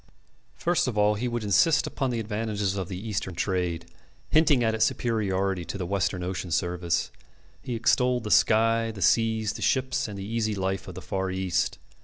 First of all he would insist upon the advantages of the Eastern trade, hinting at its superiority to the Western ocean service. He extolled the sky, the seas, the ships, and the easy life of the Far East.